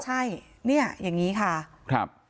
ใช่เนี่ยอย่างนี้ค่ะครับ